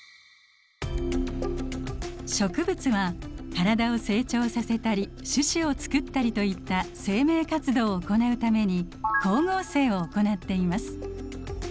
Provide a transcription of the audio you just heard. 植物は体を成長させたり種子を作ったりといった生命活動を行うために光合成を行っています。